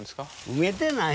埋めてない。